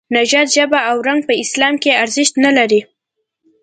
نژاد، ژبه او رنګ په اسلام کې ارزښت نه لري.